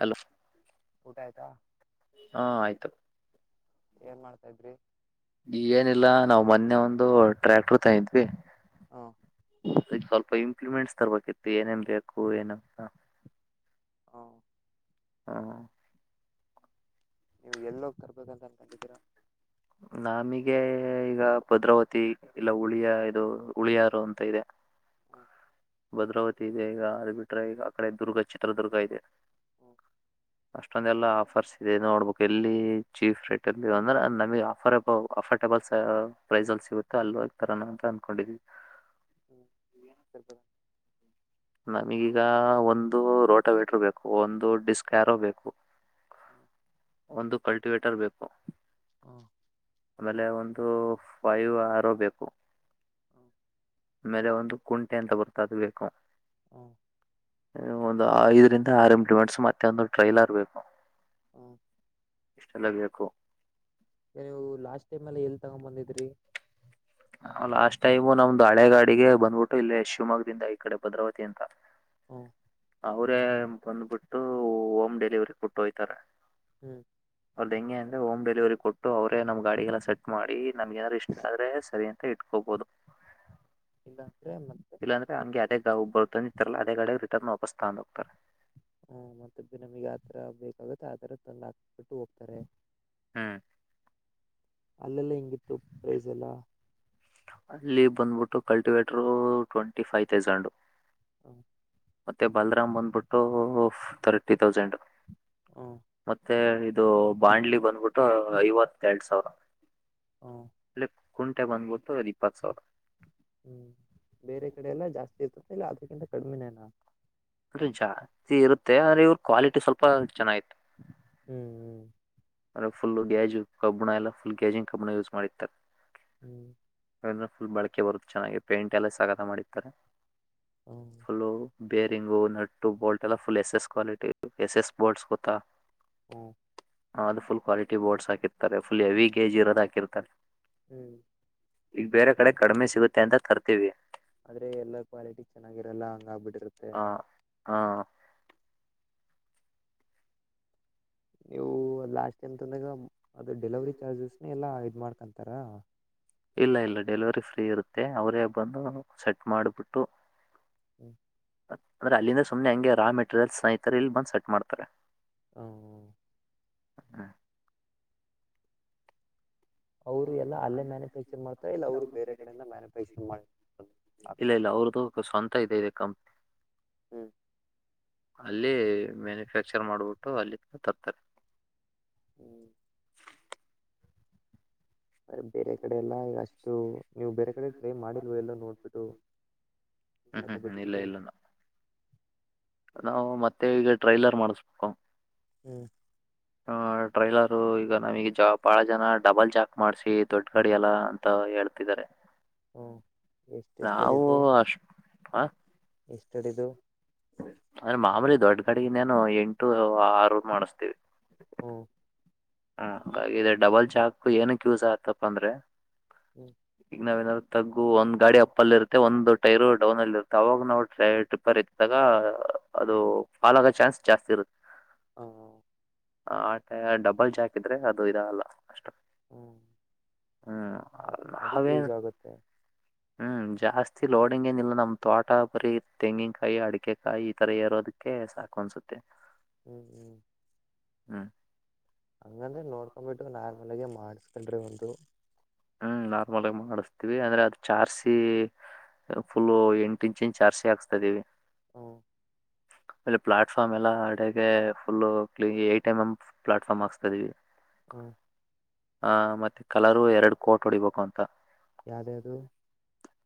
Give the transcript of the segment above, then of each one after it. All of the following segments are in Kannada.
ಹಲೋ ಊಟ ಆಯ್ತಾ ಹಾ ಆಯ್ತು ಏನ್ ಮಾಡ್ತಾ ಇದ್ರಿ ಈಗೇನಿಲ್ಲ ನಾವವು ಮೊನ್ನೆ ಒಂದು ಒಂದು ಟ್ರ್ಯಾಕ್ಟರ್ ತಿದ್ವಿ ಹಾ ಸ್ವಲ್ಪ ಇಪ್ಲಿಮೆಂಟ್ಸ್ ತರ್ಬೇಕಿತ್ತು ಏನೇಮ ಬೇಕು ಏನ ಹ ಹ್ಮ ನೀವು್ ಎಲ್ಲೋಗಿ ತರ್ಬೇಕಂತ ಅನ್ಕೊಂಡಿದ್ದೀರಾ ನಮಗೆ ಈಗ ಭದ್ರಾವತಿ ಇಲ್ಲ ಉುಳಿಯ ಇದು ಉುಳಿಯಾರು ಅಂತ ಇದೆ ಹ್ಮ್ ಭದ್ರಾವತಿ ಇದೆ ಈಗ ಅದು ಬಿಟ್ರೆ ಈಗ ಆ ಕಡೆ ದುರ್ಗ ಚಿತ್ರದುರ್ಗ ಇದೆ ಹ್ಮ ಅಷ್ಟೊಂದೆಲ್ಲ ಆಫರ್ಸ್ ಇದೆ ನೋಡ್ಬೇಕು ಎಲ್ಲಿ ಚೀಪ್ ರೇಟ್ಲ್ಲಿ ಅಂದ್ರ ನಮಗ್ ಆಫರ್ ಆಫರ್ ಲ್ ಪ್ರೈಸ್ ಅಲ್ಲಿ ಸಿಗುತ್ತೆ ಅಲ್ಲಿೋಗಿ ತರ ಅಂತ ಅಂದಕೊಂಡಿದವಿ ಹ್ಮ ಸಪ ನಮಗೀಗ ಒಂದು ರೋಟಬೇಟರು ಬೇಕು ಒಂದು ಡಿಸ್ಕ್ ಆ್ಯಾರೋ ಬೇಕು ಹ್ಮ ಒಂದು ಕಲ್ಟಿವೇಟರ್ ಬೇಕು ಹಾ ಆಮೇಲೆ ಒಂದು ಫೈವ್ ಆರ ಬೇಕು ಹ್ಮ ಆಮೇಲೆ ಒಂದು ಕುಂಟೆ ಅಂತ ಬರ್ತಾ ಅದು ಬೇಕು ಹ ಒಂದು ಐದರಿಂದ ಆರುಟಮೆಂಟ್ಸ್ ಮತ್ತೆ ಒಂದು ಟ್ರೈಲರ್ ಬೇಕು ಹ್ಮ ಇಷ್ಟೆಲ್ಲೇ ಬೇಕು ನೀವು ಲಾಸ್ಟ್ ಟೈಮ್ ಅಲ್ಲಿ ಎಲ್ ತಗೊಂಡ್ ಬಂದಿದ್ರಿ ಲಾಸ್ಟ್ ಟೈಮು ನಮ್ದು ಹಳೆಗಾಡಿಗೆ ಬಂದ್ಬಿಟ್ಟು ಇಲ್ಲ ಶಿವಮೊಗ್ಗದಿಂದ ಈ ಕಡೆ ಭದ್ರಾವತಿ ಅಂತ ಹ ಅವರೇ ಬಂದ್ಬಿಟ್ಟು ಹೋಮ್ ಡೆಲಿವರಿ ಕೊಟ್ಟು ಹೋಯ್ತಾರೆ ಹ್ಮ್ ಅವದ ಹೆಂಗೆ ಅ ಹೋಮ್ ಡೆಲಿವರಿ ಕೊಟ್ಟು ಅವರೇ ನಮ್ ಗಾಡಿಗೆಲ್ಲ ಸೆಟ್ ಮಾಡಿ ನಮ್ಗೆ ನಾದರು ಇಷ್ಟ ಆದ್ರೆ ಸರಿ ಅಂತ ಇಟ್ಕೋಬೋದು ಇಲ್ಲ ಅಂದ್ರೆ ಮತ್ತೆ ಇಲ್ಲಾ ಅಂದ್ರೆ ಹಮ್ಗೆ ಅದೇ ಒಬ್ಬರು ತಂದ ಇತಾರಲ್ಲ ಅದೇ ಗಗ ಅಪಸ್ಥಾಕ್ತ ಹ್ಮ ಮತ್ತೆ ನಮಗ್ ಯಾವತರ ಬೇಕಾಗುತ್ತೆ ಆತರ ತಂದು್ ಹಾಕ್ಬಿಟ್ಟು ಹೋಗ್ತಾರೆ ಹ್ಮ್ ಅಲ್ಲೆಲ್ಲ ಹಿಂಗಿತ್ತು ಪ್ರೈಸ್ ಎಲ್ಲ ಅಲ್ಲಿ ಬಂದ್ಬಿಟ್ಟು ಕಲ್ಟಿವೇಟರ್ ಟ್ವೆಂಟಿ ಫೈವ್ ತೌಸಂಡ್ ಹ ಮತ್ತೆ ಬಲ್ರಾಮ್ ಬಂದ್ಬಿಟ್ಟು ತರ್ಟಿ ತೌಸಂಡ್ ಹ್ಮ ಮತ್ತೆ ಇದು ಬಾಂಡ್ಲಿ ಬಂದ್ಬಿಟ್ಟು ಐವತ್ತ ಎರಡ್ ಸಾವಿರ ಹ ಕುೋಟ ಬನ್ಬೋದು ರೀಪತ್ ಚಾವ ಹ್ಮ್ ಬೇರೆ ಕಡೆ ಎಲ್ಲಾ ಜಾಸ್ತಿ ಇರ್ತದೆ ಇಲ್ಲ ಅದಕ್ಕಿಂತ ಕಡಿ್ಮಿನೇನಾ ಅಂದ್ರೆ ಜಾಸ್ತಿ ಇರುತ್ತೆ ಅಂದ್ರೆ ಇವ್ರ ಕ್ವಾಲಿಟಿ ಸ್ವಲ್ಪ ಚೆನ್ನಾಗಿತ್ತು ಹ್ಮ್ ಹ್ಮ್ ಆದ ಫುಲ್ ಗ್ಯಾಜು ಕಬ್ಬಣ ಎಲ್ಲ ಫುಲ್ ಗ್ಯಾಜಿಂಗ್ ಕಬ್ಬಣ ಯೂಸ್ ಮಾಡಿತ್ತಾರೆ ಹ್ಮ್ ಫುಲ್ ಬಳಕೆ ಬರುದು ಚೆನ್ನಾಗಿ ಪೇಂಟ್ ಎಲ್ಲ ಸಕಾಗತ ಮಾಡಾರೆ ಹ್ಮ ಬೇರಿಂಗು ನಟ್ಟು ಬೋಲ್ಟ್ ಎಲ್ಲ full S S quality S S bolts ಗೊತ್ತಾ ಹ್ಮ ಹ ಅದು ಫುಲ್ ಕ್ವಾಲಟಿ ಬೋರ್ಸ್ ಹಾಕಿರ್ತ ಫುಲ್ ಹೆವಿ ಗಜ್ ಇರೋದು ಹಾಿರ್ತಾರೆ ಹ್ಮ್ ಈಗ ಬೇರೆ ಕಡೆ ಕಡಿಮೆ ಸಿಗುತ್ತೆ ಅಂತ ತರ್ತೀವಿ ಆದ್ರೆ ಎಲ್ಲ ಕ್ವಾಲಿಟಿ ಚೆನ್ನಾಗಿರಲ್ಲ ಹಂಗ ಆಗ್ಬಿಟ್ಟೆ ಹಾ ಹಾ ನೀವು ಲಾಸ್ಟ್ ಟೈಮ್ ತಂದಾಗ ಅದು ಡೆಲಿವರಿ ಚಾರ್ಜಸ್ನ ಎಲ್ಲ ಇದು ಮಾಡ್ಕೊಂತಾರ ಇಲ್ಲ ಇಲ್ಲ ಡೆಲಿವರಿ ಫ್ರೀ ಇ ಮತ್ತೆ ಅವರೇ ಬಂದು ಸೆಟ್ ಮಾಡ್ಬಿಟ್ಟು ಹ್ಮ ಅಂದ್ರೆ ಅಲ್ಲಿಂದ ಸುಮನೆ ಹಂಗೆ ರಾ ಮೆಟೀರಿಯಲ್ಸ್ ಸ್ನೇಹಿತರ ಇಲ್ ಬಂದ್ ಸೆಟ್ ಮಾಡ್ತಾರೆ ಹ ಹ್ಮ ಅವರು ಎಲ್ಲ ಅಲ್ಲೇ ಮ್ಯಾನುಫ್ಯಾಕ್ಚರ್ ಮಾಡ್ತಾರೆ ಇಲ್ಲ ಅವ್ರು ಬೇರೆ ಕಡೆಯಿಂದ ಮ್ಯಾನುಫ್ಯಾಕ್ಚರ್ ಮಾಡಾರೆ ಇಲ್ಲ ಇಲ್ಲ ಅವ್ರ್ದು ಸ್ವಂತ ಇದೆ ಇದೆ ಕಂಪ್ನಿ ಹ್ಮ್ ಅಲ್ಲಿ ಮ್ಯಾನುಫ್ಯಾಕ್ಚರ್ ಮಾಡ್ಬಿಟ್ಟು ಅಲ್ಲಿ ತರ್ತಾರೆ ಹ್ಮ್ ಅರಿ ಬೇರೆ ಕಡೆ ಎಲ್ಲ ಅಷ್ಟು ನೀವು ಬೇರೆ ಕಡೆ ಟ್ರೈ ಮಾಡಿಲ್ವ ಎಲ್ಲ ನೋಡ್ಬಿಟ್ಟು ಹ್ಮ್ ಹ್ಮ್ ಹ್ಮ್ ಇಲ್ಲ ತಕೊಬಿಟ್ಬಿಟ್ಟು ಇಲ್ಲ ನಾ ನಾವು ಮತ್ತೆ ಈಗ ಟ್ರೈಲರ್ ಮಾಡಸ್ಬೇಕು ಹ್ಮ್ ಆ ಟ್ರೈಲರು ಈಗ ನಮಗ ಬಹಳ ಜನ ಡಬಲ್ ಜಾಕ್ ಮಾಡಸಿ ದೊಡ್ಡ ಗಡಿ ಎಲ್ಲಾ ಅಂತ ಹೇಳ ಹ್ಮ್ ಎಷ್ಟೆಷ್ಟು ನಾವು ಅಷ್ಟ ಸ್ಟಾಡಿಿದ ಅಂದ್ರೆ ಮಾಮೂಲಿ ದೊಡ್ಗಡೆಗೆ ನೇು ಎಂಟು ಆರು ಮಾಡಸ್ತೇವಿ ಹಾ ಹಾ ಹಾಗ ಡಬಲ್ ಚಾಕ್ ಏನು ಕ್ಯೂಸ್ ಆತಪ್ಪ ಅಂದ್ರೆ ಹ್ಮ್ ಈಗ ನಾವ ನಾದ ತಗ್ಗು ಒಂದ್ ಗಾಡಿ ಅಪ್ ಅಲ್ಲಿ ಇರುತ್ತೆ ಒಂದು ಟೈರು ಡೌನ್ ಅಲ್ಲಿ ಇರುತ್ತೆ ಅವಾಗ ನಾವು ಟ್ರಿಪರ್ ಇಐತ್ತಿದ್ದಾಗ ಅದು ಫಾಲ್ ಆಗೋ ಚಾನ್ಸ್ ಜಾಸ್ತಿ ಇರುತ್ತೆ ಹ ಆಟ ಡಬಲ್ ಜಾಕ್ ಇದ್ರೆ ಅದು ಇದ ಅಲ್ಲ ಹ್ಮ್ ಹ್ಮ್ ಅ ಅದಕ್ಕೆ ಯೂಸ್ ನಾವೇನ್ ಆಗುತ್ತೆ ಹ್ಮ್ ಜಾಸ್ತಿ ಲೋಡಿಂಗ್ ಏನ ಇಿಲ್ಲ ನಮ್ ತೋಟ ಬರೀ ತೆಂಗಿನಕಾಯಿ ಅಡಿಕೆಕಾಯಿ ಈ ತರ ಇಏರೋದಕ್ಕೆ ಸಾಕನ್ ಸುತ್ತೆ ಹ್ಮ್ ಹ್ಮ್ ಹ್ಮ ಹಂಗಂದ್ರೆ ನೋಡ್ಕೊ್ಬಿಟ್ಟು ನಾರ್ಮಲ್ ಆಗ ಮಾಡಸ್ಕೊಂಡ್ರಿ ಒಂದು ಹ್ಮ್ ನಾರ್ಮಲ್ ಆಗ ಮಾಡಿಸ್ತೀವಿ ಅಂದ್ರೆ ಅದ್ ಚಾರ್ಸಿ ಫುಲ್ ಎಂಟು ಇಂಚಿಂಚ್ ಆಾರ್ಸಿ ಹಾಕ್ಸ್ತಾ ಇದಿವವಿ ಹ ಹ ಆೇಲೆ ಪ್ಲಾಟ್ಫ್ಮ್ ಎಲ್ಲ ಅಡಗೆ ಫುಲ್ಲು ಕ್ ಟಿ ಎಂ ಎ್ ಪ್ಲಾಟ್ಫಾರ್ಮ್ ಆಾಸ್ತಾ ಇದಿವವಿ ಹ್ಮ್ ಹ ಮತ್ತೆ ಕಲರು ಎರಡು ಕೋಟ್ ಹೊಡಿಬೇಕು ಅಂತ ಯಾವ್ದ್ಯ್ದು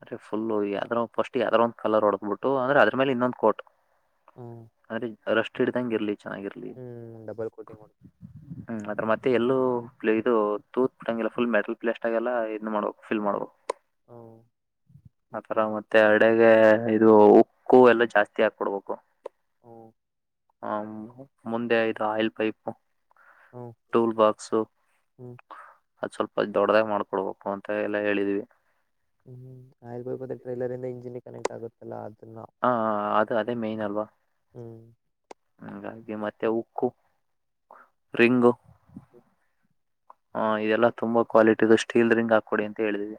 ಅೆ ಫುಲ್ಲು ಯಾವ್ರ ಫಸ್ಟ್ ಯಾವ್ದ್ರೋ ಒಂದ ಕಲರ್ ಹೊಡದ ಬಿಟ್ಟ ಅ್ರೆ ಅದ್ರ ಮೇಲೆ ಇನ್ನೊಂದ್ ಕೋಟ್ ಹ್ಮ ಷ್ಟು ಹಿಡ್ದಂಗ ಇರ್ಲಿ ಚೆನ್ನಾಗಿರ್ಲಿ ಡಬಲ್ ಕೋಟಿಂಗ್ ಮಾಡ ಹ್ಮ್ ಅದ್ರ ಮತ್ತೆ ಎಲ್ಲೂ ಇದು ತೂತ್ ಪುಟ್ಂಗಲ್ಲ ಫುಲ್ ಮೆಟಲ್ ಪಲಸ್ಟ್ ಆಗ ಎಲ್ಲಾ ಇ್ ಮಾಡ್ಬೇಕು ಫಿಲ್ ಮಾಡ್ು ಹ್ಮ್ ಆತರಾಮತ್ತ ಮತ್ತೆ ಅಡೆಗೆ ಇದು ಉಕ್ಕು ಎಲ್ಲ ಜಾಸ್ತಿ ಹಾಕ್ಕೊಡ್ಬೇಕು ಓ ಹ ಮುಂದೆ ಇದು ಆಯಿಲ್ ಪೈಪು ಹ್ಮ್ ಟೂಲ್ ಬಾಕ್ಸು ಹ್ಮ್ ಅಲ್ಪ ದೊಡ್ಡದಾಗ ಮಾಡ್ಕೊಡ್ಬೇಕು ಅಂತ ಎಲ್ಲ ಹೇಳಿದ್ವಿ ಹ್ಮ್ ಆಯುರ್ಬ ಟ್ರೈಲರ್ ಇಂದ ಇಂಜಿನ್ ಕನೆಕ್ಟ್ ಆಗುತ್ತಲ್ಲ ಅದು ಹಾ ಅದು ಅದೇ ಮೇನ್ ಅಲ್ವಾ ಹ್ಮ್ ಹಾಗಾಗಿ ಮತ್ತೆ ಉಕ್ಕು ರಿಂಗು [inaudible] ಹಾ ಇದೆಲ್ಲಾ ತುಂಬಾ ಕ್ವಾಲಿಟಿಿದ ಸ್ಟೀಲ್ ರಿಂಗ್ ಹಾಕೊಡಿ ಅಂತ ಹೇಳಿದಿದೆ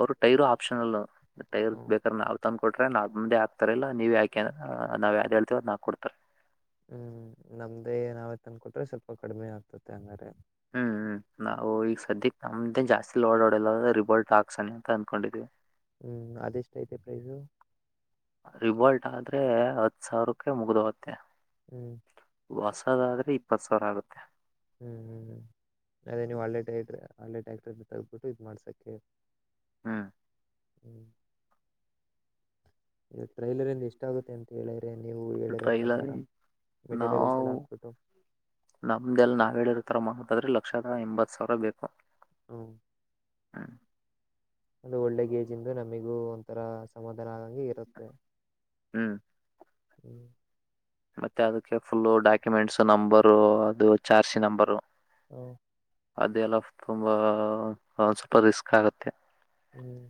ಅವ್ರು ಟೈರು ಆಪ್ಷನಲ್ ಟೈರ್ ಹ್ಮ ಬೇಕಾರ ಅವತ ಕೊಟ್ರ ನಾಕ್ ಮುಂದೆ ಆಾತಾರಲ್ಲಾ ನೀವ ಯಾಕೆ ನಾವ ಯಾವ್ದ್ ಹೇಳ್ತೀವ ಅ್ ನಾಕಕ್ ಕೊಡ್ತಾರೆ ಹ್ಮ್ ನಮ್ದೇ ಏನಾವತ್ ಅನ್ಕಟ್ರೆ ಸ್ವಲ್ಪ ಕಡಿಮೆ ಆಗ್ತತೆ ಹಂಗಾರೆ ಹ್ಮ್್ಮ್ ನಾವು ಈಗ ಸದ್ಯಕ್ ನಮ್ದೇನ್ ಜಾಸ್ತಿಲಿ ಓಡಾಡಲ್ಲ ರಿಬಲ್ಟ್ ಹಾಕ್ಸಣ ಅಂತ ಅನ್ಕೊಂಡಿದೀವಿ ಹ್ಮ್ ಅದೆಷ್ಟ ಐತೆ ಪ್ರೈಸು ರಿಬಾಲ್ಟ್ ಆದ್ರೆ ಹತ್ ಸಾವಿರಕ್ಕೆ ಮುಗ್ದ ಹೋಗತ್ತೆ ಹ್ಮ್ ದಾದ್ರೆ ಇಪ್ಪತ್ ಸಾವಿರ ಆಗುತ್ತೆ ಹ್ಮ್ ಹ್ಮ್ ಅದೇ ನೀವು್ ಒಳ್ಳೇಟ ಇದ್ರಿ ಆಲೆ ಟ್ಯಾಕ್ಟ್ರ ತಗ್ಬಿಟ್ಟು ಇದು ಮಾಡ್ಸೋಕ್ಕೆೆ ಹ್ಮ್ ಹ್ಮ್ ಇ ಟ್ರೈಲರಿ ಇಂದ ಇಷ್ಟ ಆಗುತ್ತೆ ಅಂತ ಹೇಳಿದ್ರೆ ನೀವು ಹೇಳಿರೋ ಟ್ರೈಲರ್ ಪ್ರಕಾರ ಮೆಟೀರಿಯಲ್ಸ್ ಎಲ್ಲ ಆಗ್ಬಿಟ್ಟು ನಾಮ ಹೇಳಿರತರ ಮಾಹತ್ ಅ ಆದ್ರೆ ಲಕ್ಷದ ಎಂಬತ್ ಸಾವಿರ ಬೇಕು ಹ ಹ್ಮ್ ಒಂದು ಒಳ್ಳೆೇಜ್ ಇಂದು ನಮಿಗೂ ಒಂಥರ ಸಮಧ ಬದರಾಗಿ ಇರುತ್ತೆ ಹ್ಮ್ ಹ್ಮ್ ಮತ್ತೆ ಅದಕ್ಕೆ ಫುಲ್ಲು ಡಾಕ್ಯುಮೆಂಟ್ಸ್ ನಂಬರು ಅದು ಚಾರ್ಸಿ ನಂಬರು ಹ್ಮ ಅದೆಲ್ಲ ತುಂಬಾ ಸೂಪರ್ ರಿಸ್ಕ್ ಆಗತ್ತೆ ಹ್ಮ್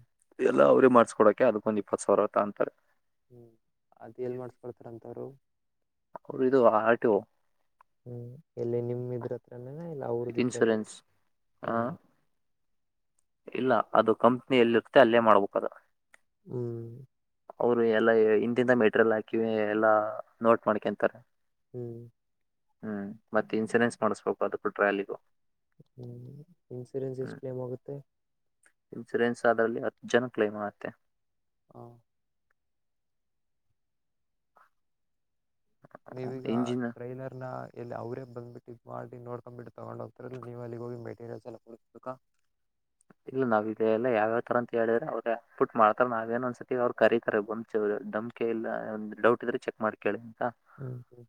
ಎಲ್ಲ ಅವ್ರೇ ಮಾಡ್ಸ್ಕೊೋಕೆ ಅದಕ್ಕೊಂದ ಇಪ್ಪತ್ ಸಾವಿರ ಅಂತಾರೆ ಹ್ಮ್ ಅದ್ ಎಲ್ ಮಾಡಸ್ಕೊಳ್ತಾರಂತವರು ಅವ್ರು ಇದು ಆರ್ ಟಿ ಒ ಹ್ಮ್ ಎಲ್ಲಿ ನಿಮ್ಮ ಇದ್ರತ್ರಲ್ಲ ಇಲ್ಲ ಅವ್ರ ದ ಇನ್ಶೂರೆನ್ಸ್ ಆ ಹ್ಮ್ ಇಲ್ಲ ಅದು ಕಂಪ್ನಿಿಯಲ್ಲಿರುತ್ತೆ ಅಲ್ಲೇ ಮಾಡ್ಬೇಕು ಅದು ಹ್ಮ್ ಅವರು ಎಲ್ಲಾ ಹಿಂದಿಂದ ಮೆಟೀರಿಯಲ್ ಹಾಕಿವ ಎಲ್ಲಾ ನೋಟ್ ಮಾಡ್ಕೊಂತಾರೆ ಹ್ಮ್ ಹ್ಮ್ ಮತ್ತೆ ಇನ್ಸೂರೆನ್ಸ್ ಮಾಡಸ್ಬೇಕು ಅದಕ್ಕೂಟ್ರ್ಯಾಲಿಗು ಹ್ಮ್ ಇನ್ಸೂರೆನ್ಸ್ ಎಷ್ಟ ೇಮ್ ಹೋಗುತ್ತೆ ಇನ್ಸೂರೆನ್ಸ್ ಅದರಲ್ಲಿ ಅತ್ತು ಜನ ಕ್ಲೈಮ್ ಆಗತ್ತೆ ಹಾ ನೀವೀಗ ಇಂಜಿನ್ ಟ್ರೈಲರ್ ನ ಎಲ್ಲಿ ಅವ್ರೇ ಬಂದ್ಬ ಟಿಪ್ ಮಾಡಿ ನೋಡ್ಕೊಂಡ್ಬಿಟ್ಟು ತಗೊಂಡುೋಗತ್ತರ ನೀವು ಅಲ್ಲಿ ಹೋಗಿ ಮೆಟೀರಿಯಲ್ಸ್ ಎಲ್ಲಬೇಕಾ ಇಲ್ಲ ನಾವ ಇಲ್ಲ ಯಾವ್ಯಾವ ತರ ಅಂತ ಹೇಳಿದ್ರ ಅವ್ರ ಪುಟ್ ಮಾಡ್ತಾರ ನಾವೇನ ಅಂದಸತಿ ಅವ್ ಕರೀತಾರೆ ಬಂದ ದಮ್ೆಲ್ಲ ಒ ಡೌಟ್ ಇದ್ರೆ ಚೆಕ್ ಮಾಡ್ ಕೇಳಿ ಹ್ಮ್ ಹ್ಮ್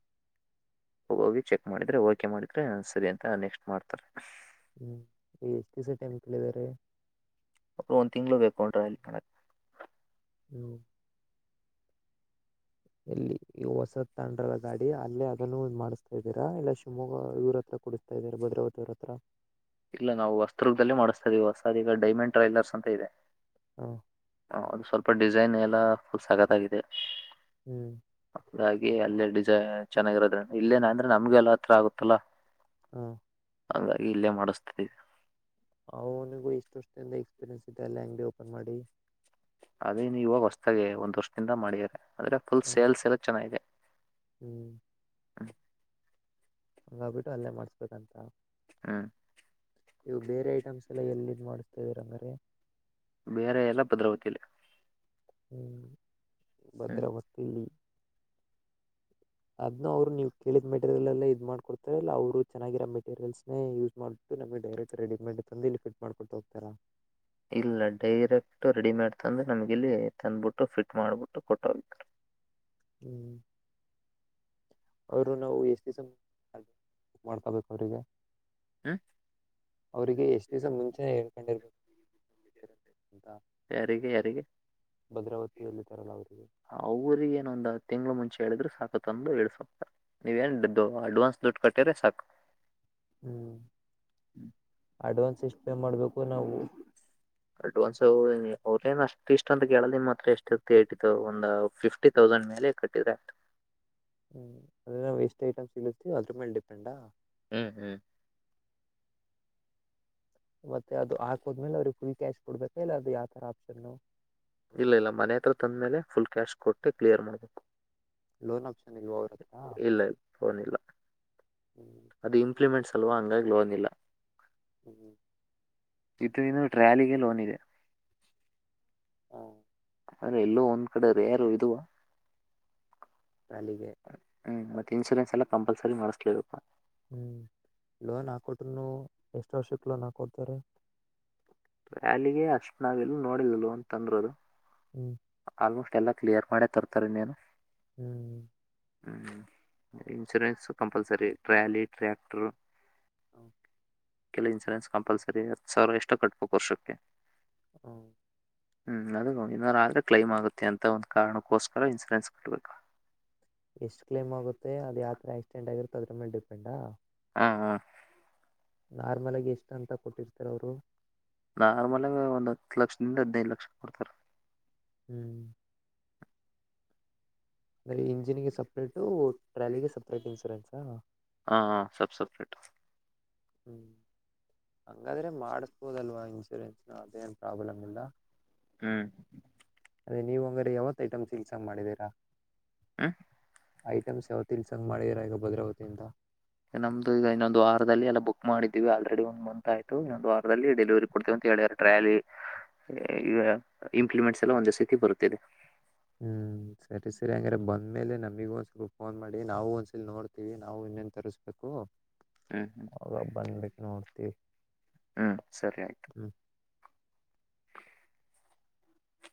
ಹೋಗೋಗಿ ಚೆಕ್ ಮಾಡಿದ್ರೆ ಓಕೆ ಮಾಡಿದ್ರೆ ಸರಿ ಅಂತ ನೆಕ್ಸ್ಟ್ ಮಾಡ್ತಾರೆ ಹ್ಮ್ ಈಗ ಎಷ್ಟು ದಿವಸ ಟೆಂಪಲ್ ಇದಾರೆ ಅವರು ಒ್ ತಿಂಗ್ಗಳು ಬೇಕೋ್ರ ಅಲ್ಲಿ ಹ್ಮ್ ಎಲ್ಲಿ ಈ ಹೊಸದ ತಂಡ್ರದ ಗಾಡಿ ಅಲ್ಲೇ ಅದನ್ನು ಮಾಡತ ಾ ಇದೀರಾ ಇಲ್ಲ ಶಿವಮೊಗ್ಗ ಇವ್ರ ಹತ್ರ ಕುಡಿಸ್ತಾ ಇದ್ದೀರ ಭದ್ರಾವತಿಿಯವ್ರ ಹತ್ರ ಇಲ್ಲ ನಾವು ವಸ್ತ್ರದಲ್ಲಿೇ ಮಾಡಿಸ್ತಾ ಇದೀವಿ ಹೊಸದ ಈಗ ಡೈಮಂಡ್ ಟ್ರೈ್ಲರ್ಸ್ ಅಂತ ಇದೆ ಹಾ ಹ ಅದು ಸ್ವಲ್ಪ ಡಿಸೈನ್ ಎಲ್ಲಾ ಫುಲ್ ಸಕತ್ಾಗಿದೆ ಹ್ಮ್ ಹಾಗಾಗಿ ಅಲ್ಲೇ ಡಿಸೈನ್ ಚೆನ್ನಾಗಿರೋದ್ರ ಇಲ್ಲೇನ ಅಂದ್ರೆ ನಮ್ಗೆ ಎಲ್ಲ ಹತ್ರ ಆಗುತ್ತಲ್ಲ ಹಾ ಹಂಗಾಗಿ ಇಲ್ಲೇ ಮಾಡಿಸ್ತದೆ ಅವನಿಗೂ ಇಷ್ಟ ಅಷ್ಟ ದಿಂದ ಎಕ್ಸ್ಪೀರಿಯನ್ಸ್ ಇದೆಲ್ಯಾಂಗ್ವೇಜ್ ಓಪನ್ ಮಾಡಿ ಅದೇ ನೀ ಇವಾಗ ಹೊಸತಾಗೆ ಒಂದ್ ವರ್ಷದಿಂದ ಮಾಡಿದಾರೆ ಆದ್ರೆ ಫುಲ್ ಹಾಂ ಸೇಲ್ಸ್ ಎಲ್ಲ ಚೆನ್ನಾಗಿದೆ ಹ್ಞೂ ಹ್ಮ ಹಂಗಾಗಬಿಟ್ಟು ಅಲ್ಲೇ ಮಾಡಸ್ಬೇಕಂತ ಹ್ಮ್ ಇವು ಬೇರೆ ಐಟಮ್ಸ್ ಎಲ್ಲ ಎಲ್ಲಿ ಮಾಡಿಸ್ತೇವಿ ರಂಗ್ರ ಬೇರೆ ಎಲ್ಲ ಭದ್ರಾವತಿಯಲಿ ಹ್ಮ್ ಭದ್ರಾವತಿ [inaudible] ಅದ್ ಅವರು ನೀವು ಕೇಳಿದ ಮೆಟೀಯಲ್ ಎಲ್ಲ ಇದ್ ಮಾಡ್ಕೊಡ್ತಾರೆ ಇಲ್ಲ ಅವ್ರು ಚೆನ್ನಾಗಿರೋ ಮೆಟೀರಿಯಲ್ ಯೂಸ್ ಮಾಡ್ಬಿಟ್ಟು ನಮಗೆ ಡೈರೆಕ್ಟ್ ರೆಡಿಮೇಡ್ ತಂದ ಇ ಿಟ್ ಮಾಡ್ೊತಾ ಹೋಗ್ತಾರಾ ಇಲ್ಲ ಡೈರೆಕ್ಟ್ ರೆಡಿಮೇಡ್ ತಂದ್ರೆ ನಮ್ಗೆ ಇಲ್ಲಿ ತಂದ್ಬಿಟ್ಟು ಫಿಟ್ ಮಾಡ್ಬಿಟ್ಟು ಕೊಟ್ಟೋಗರು [inaudible] ಹ್ಮ ಅವರು ನವು ಎಷ್ಟಿಸ ಕ ಮಾಡಾರ ತ ಬ ಕೊರಿಿಗೆ ಹ ಅವಿಗೆ ಎಷ್ಟ್ ದಿವ್ಸ ಮುಂಚೆ ಹೇಳ್ಕೊಂಡಿರ್ಬೇಕು ಅಂತ ಯಾರಿಗೆ ಯಾರಿಗೆ ಭದ್ರಾವತಿಯಲ್ಲಿ ತರಲ್ಲ ಅವರಿಗೆ ಅವ್ರಗ ಏನೊಂದ ತಿಂಗಳ ಮುಂಚೆ ಹೇಳಿದ್ರರು ಸಾಕುಂದು ಇಸತಾರೆ ನೀವ ಏನ್ ಅಡ್ವಾನ್ಸ್ ದುಡ್ಡು ಕಟ್ಟ್ರೆ ಸಾಕು ಹ್ಮ್ ಹ್ಮ್ ಅಡ್ವಾನ್ಸ್ ಎಷ್ಟು ಪೇ ಮಾಡಬೇಕು ನಾವು ಅಡ್ವಾನ್ಸ್ ಅವ ಅವ್ರೇಏನ್ ಅಷ್ಟ ಇಷ್ಟ ಅಂತ ಕೇಳ ನಿಮ್ ಹತ್ರ ಎಷ್ಟ ಒಂದ್ ಫಿಫ್ಟಿ ತೌಸಂಡ್ ಮೇಲೆ ಕಟ್ಟಿದ ಹ್ಮ್ ಅದ ಎಷ್ಟು ಐಟ್ಸ್ ಇಳತೀವಿ ಅದ್ರ ಮೇಲೆ ಡಿಪೆಂಡಾ ಹ್ಮ್ ಹ್ಮ್ ಮತ್ತೆ ಅದು ಆರು ಕೊಡ್ತೀನಿ ಹಾಕೋದ್ಮೇಲೆ ಅವ್ರಿಗೆ ಫುಲ್ ಫೀಸ್ ಅಂತ ಕ್ಯಾಶ್ ಕೊಡ್ಬೇಕಾ ಕೊಡಬೇಕಲ್ಲ ಇಲ್ಲ ಅದು ಯಾವ ಯಾರು ತರ ಆಪ್ಷನ್ ಇಲ್ಲ ಇಲ್ಲ ಮನೆ ಹತ್ರ ತಂದ್ಮೇಲೆ ಫುಲ್ ಕ್ಯಾಶ್ ಕೊಟ್ಟೆ ಕ್ಲಿಯರ್ ಮಾಡ್ಬೇಕು ಲೋನ್ ಆಪ್ಷನ್ ಇಲ್ವಾ ಅವ್ರ ಹತ್ರ ಇಲ್ಲ ಇ ಫೋನ್ ಇಲ್ಲ ಹ್ಮ್ ಅದು ಇಂಪ್ಲಿಮೆಂಟ್ ಸಲ್ವಾ ಹಂಗಾಗಿ್ಲೋಂದಿಲ್ಲ ಹ್ಮ್ ಹ್ಮ ಇದು ಇನ್ನು ಟ್ರ್ಯಾಲಿಗೆ ಲೋನ್ ಇದೆ ಹ ಅ್ರ ಎಲ್ಲೋ ಒಂದ್ ಕಡೆ ರ ಯಾರು ಇದುವ ಟ್ರಾಲಿಗೆ ಹ್ಮಞ ಮತ್ತೆ ಇನ್ಸೂರೆನ್ಸ್ ಎಲ್ಲ ಕಂಪಲ್ಸರಿ ಮಾಡಿಸ್ಲೇದು ಹ್ಮ್ ಲೋನ್ ಹಾಕೊಟ್ರ ಎಷ್ಟು ವರ್ಷಕ್ ಲೋನ್ ಹಾಕೊಡ್ತಾರೆ ವ್ಯಾಲಿಗೆ ಅಷ್ಟ ನಾವೆಲ್ಲೂ ನೋಡಿಿಲ್ಲಲ್ವ ಅಂತ ಅಂದ್ರದು ಹ್ಮ್ ಆಲ್ಮೋಸ್ಟ್ ಎಲ್ಲ ಕ್ಲಿಯರ್ ಮಾಡೆ ತರ್ತಾರೆ ನೀನು ಹ್ಮ್ ಹ್ಮ್ ಇನ್ಸೂರೆನ್ಸ್ ಕಂಪಲ್ಸರಿ ರಟ್ರ್ಯಾಲಿ ಟ್ರ್ಯಾಕ್ಟರು ಹ ಕೆಲ ಇನ್ಸೂರೆನ್ಸ್ ಕಂಪಲ್ಸರಿ ಹತ್ತು ಸಾವಿರ ಎಷ್ಟು ಕಟ್ಬೇಕು ವರ್ಷಕ್ಕೆ ಹ್ಮ ಹ್ಮ್ ಅದು ಇನ್ನ್ ಆದ್ರೆ ಕ್ಲೈಮ್ ಆಗುತ್ತೆ ಅಂತ ಒಂದು ಕಾರಣಕ್ಕೋಸ್ಕರ ಇನ್ಸೂರೆನ್ಸ್ ಕೊಡ್ಬೇಕು ಎಷ್ಟ್ ಕ್ಲೈಮ್ ಆಗೆ ಅದ ಯಾವ್ರ ಆಕ್ಿಡೆಂಟ್ಗರುತ್ತ ಅದ್ರ ಮೇಲೆ ಡಿಪೆಂಡ್ಾ ಹಾ ಹಾ ನಾರ್ಮಲ್ಾಗಿಿ ಎಷ್ಟು ಅಂತ ಕೊಟ್ಟಿರ್ತಾರೆ ಅವರು ನಾರ್ಮಲ್ಾಗ ಒಂದ್ ಹತ್ತು ಲಕ್ಷದಿಂದ ಹದ್ನೈದು ಲಕ್ಷ ಕೊಡ್ತಾರ ಹ್ಮ್ ಅಂದ್ರೆ ಇಂಜಿನ್ಗೆ ಸಪ್ರೇಟು ಟ್ರಾಲಿಗೆ ಸಪ್ರೇಟ್ ಇನ್ಸೂರೆನ್ಸಾ ಹಾ ಹಾ ಸಬ್ ಸಪ್ರೇಟ್ ಹ್ಮ್ ಹಂಗಾದ್ರೆ ಮಾಡಸ್ಬೋದಲ್ವಾ ಹಂಗ್ಸ ಇನ್ಸೂರೆನ್ಸ್ನ ಅದೇನು ಪ್ರಾಬ್ಲಮ ಇಿಂದ ಹ್ಮ್ ಅದೇ ನೀವು್ ಹಂಗ್ರ ಯಾವತ್ ಐಟಮ್ ಕೆಲ್ಸ ಮಾಡಿದೀರಾ ಹ್ಮ ಐಟಮ್ಸ್ ಯಾವತಿ ಇಲ್ಸಂಗ್ ಮಾಡಿರ ಈಗ ಭದ್ರಾವತಿಿಂದ ನಮ್ದು ಈಗ ಇನ್ನೊಂದು ವಾರದಲ್ಲಿ ಎಲ್ಲ ಬುಕ್ ಮಾಡಿದೀವಿ ಆಲ್ರೆಡಿ ಒಂದ್ ಮಂತ್ ಆಯ್ತು ಇನ್ನೊಂದು ವಾರದಲ್ಲಿ ಡೆಲಿವರಿ ಕೊಡ್ತೀವಿ ಟ್ಯಾಲಿ ಇಂಪ್ಲಿಮೆಂಟ್ಸ್ ಎಲ್ಲ ಒಂದ ಸತಿ ಬರುತ್ತದೆ ಹ್ಮ್ ಸರಿ ಸರಿ ಹಂಗ್ರೆ ಬಂದ್ಮೇಲೆ ನಮಗ ಒಂದ್ಸಲ್ ಫೋನ್ ಮಾಡಿ ನಾವು ಒಂದ್ಸಲ ನೋಡ್ತಿೀವಿ ನಾವು ನ್ ತರಿಸಬೇಕು ಹ್ಮ್ ಹ್ಮ್ ಆಾಗ ಬಂದಬೇಕು ನೋಡ್ತಿ ಹ್ಮ್ ಸರಿ ಆಯ್ತು